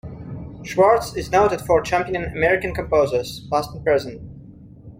Schwarz is noted for championing American composers, past and present.